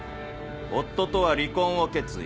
夫とは離婚を決意。